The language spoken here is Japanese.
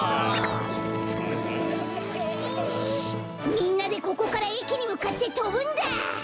みんなでここからえきにむかってとぶんだ！